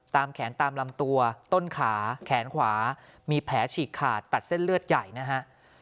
แขนตามลำตัวต้นขาแขนขวามีแผลฉีกขาดตัดเส้นเลือดใหญ่นะฮะ